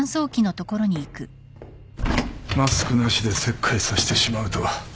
マスクなしで切開させてしまうとは。